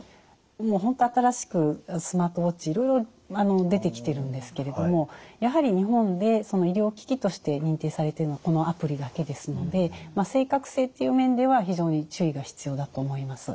もう本当新しくスマートウォッチいろいろ出てきてるんですけれどもやはり日本で医療機器として認定されているのはこのアプリだけですので正確性という面では非常に注意が必要だと思います。